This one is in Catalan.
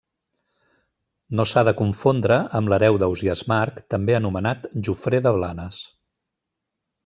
No s'ha de confondre amb l'hereu d'Ausiàs Marc, també anomenat Jofré de Blanes.